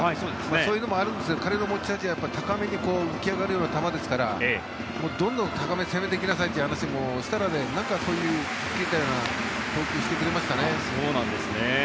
そういうのもあるんですが彼の持ち味は高めに浮き上がるような球ですからどんどん高めを攻めていきなさいという話をしたらそういう吹っ切れたような投球をしてくれましたね。